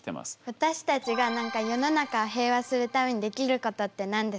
私たちが世の中平和にするためにできることって何ですか？